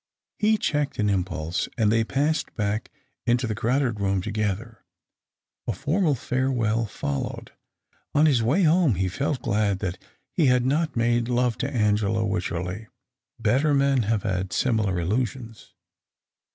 He checked an impulse, and they passed back into the crowded room together. A formal farewell followed. On his way home he felt glad that he had not made love to Angela Wycherley. Better men have had similar illusions.